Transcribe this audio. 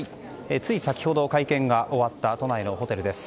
つい先ほど会見が終わった都内のホテルです。